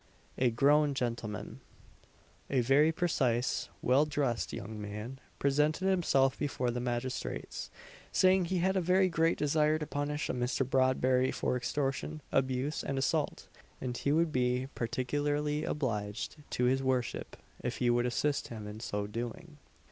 A GROWN GENTLEMAN. A very precise, well dressed young man presented himself before the magistrates, saying he had a very great desire to punish a Mr. Bradbury for extortion, abuse, and assault, and he would be particularly obliged to his worship if he would assist him in so doing.